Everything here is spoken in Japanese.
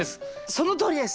そのとおりです！